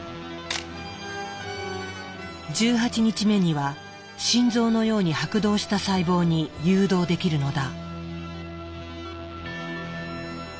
１８日目には心臓のように拍動した細胞に誘導できるのだ。